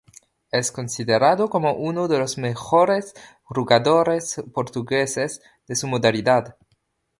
Es considerado como uno de los mejores jugadores portugueses de su modalidad.